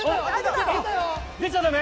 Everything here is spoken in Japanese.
出ちゃダメ？